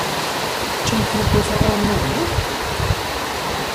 Teččamt yewwas aɣṛum n ubelluḍ?